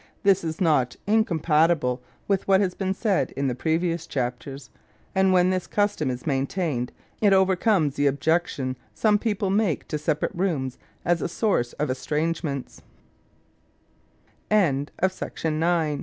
This is not incompatible with what has been said in the previous chapters, and when this custom is maintained it overcomes the objection some people make to separate rooms as a source of estrangement